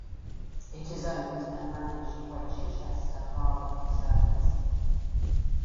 It is owned and managed by Chichester Harbour Conservancy.